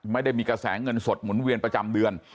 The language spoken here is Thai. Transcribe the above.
ไม่ได้มีกระแสเงินสดหมุนเวียนประจำเดือน